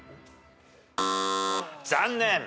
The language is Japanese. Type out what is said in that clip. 残念。